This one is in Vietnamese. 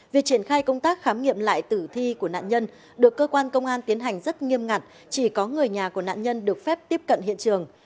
việc triển khai công tác khám nghiệm lại tử thi của nạn nhân được cơ quan công an tiến hành rất nghiêm ngặt chỉ có người nhà của nạn nhân được phép tiếp cận hiện trường